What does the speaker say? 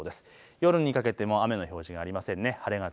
夜にかけても雨の表示はありません。